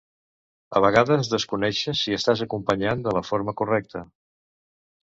A vegades desconeixes si estàs acompanyant de la forma correcta.